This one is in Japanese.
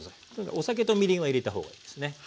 お酒とみりんは入れた方がいいですね。